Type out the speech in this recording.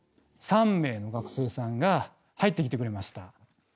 ３名の学生さんが入ってきてくれました。